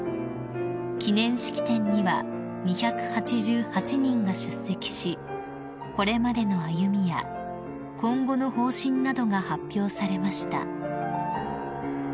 ［記念式典には２８８人が出席しこれまでの歩みや今後の方針などが発表されました］